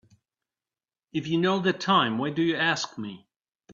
If you know the time why do you ask me?